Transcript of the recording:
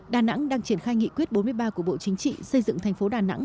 đà nẵng đang triển khai nghị quyết bốn mươi ba của bộ chính trị xây dựng thành phố đà nẵng